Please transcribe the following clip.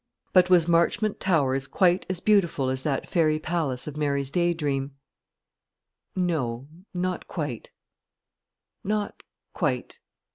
But was Marchmont Towers quite as beautiful as that fairy palace of Mary's day dream? No, not quite not quite.